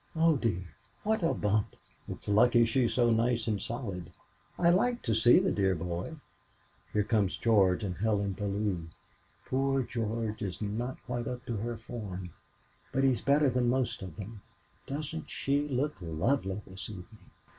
Oh, dear, what a bump! It's lucky she's so nice and solid. I like to see the dear boy. Here come George and Helen Bellew. Poor George is not quite up to her form, but he's better than most of them. Doesn't she look lovely this evening?"